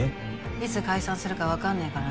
いつ解散するか分かんねぇからな。